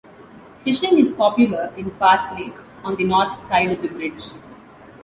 Fishing is popular in Pass Lake, on the north side of the bridge.